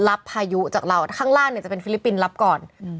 พายุจากเราข้างล่างเนี่ยจะเป็นฟิลิปปินส์รับก่อนอืม